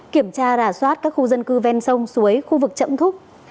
kiểm tra rà soát các khu dân cư ven sông suối khu vực chậm thúc